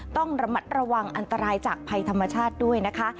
ต้องระมัดระวังอันตรายจากภัยธรรมชาติด้วยนะคะ